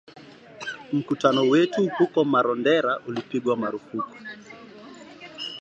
Mkutano wetu huko Marondera ulipigwa marufuku